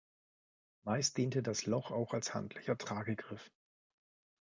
Meist diente das Loch auch als handlicher Tragegriff.